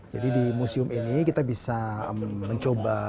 jadi di museum ini kita bisa mencoba